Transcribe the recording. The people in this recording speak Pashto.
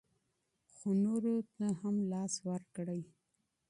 خو نورو ته هم لاس ورکړئ.